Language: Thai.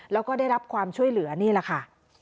แล้วก็ได้รับความช่วยเหลือนี่แหละค่ะ